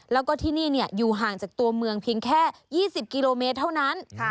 แล้วก็ที่นี่อยู่ห่างจากตัวเมืองเพียงแค่๒๐กิโลเมตรเท่านั้น